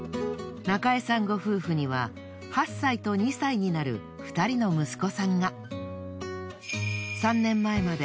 中江さんご夫婦には８歳と２歳になる２人の息子さんが。